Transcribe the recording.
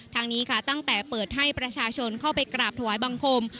ทางนี้ค่ะตั้งแต่เปิดให้ประชาชนเข้าไปกราบถวายบังคม